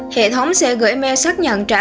hệ thống sẽ gửi mail xác nhận trả